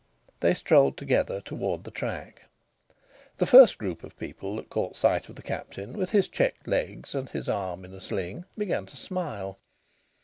They strolled together toward the track. The first group of people that caught sight of the Captain with his checked legs and his arm in a sling began to smile.